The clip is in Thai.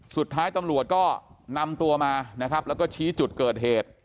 สุดท้ายตำรวจก็นำตัวมานะครับแล้วก็ชี้จุดเกิดเหตุ